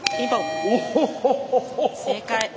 正解！